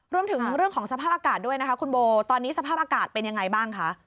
รวมถึงเรื่องของสภาพอากาศด้วยนะคะคุณโบตอนนี้สภาพอากาศเป็นยังไงบ้างคะ